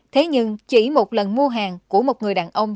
thế nhưng chỉ một lần mua hàng của một người đàn ông